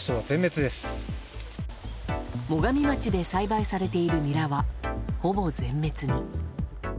最上町で栽培されているニラはほぼ全滅に。